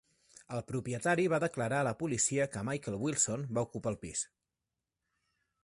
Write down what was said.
El propietari va declarar a la policia que Michael Wilson va ocupar el pis.